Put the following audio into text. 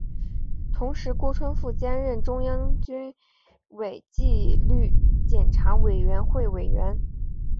同时郭春富兼任中央军委纪律检查委员会委员。